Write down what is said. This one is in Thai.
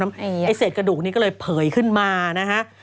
ไอ้เศษกระดูกนี้ก็เลยเผยขึ้นมานะฮะ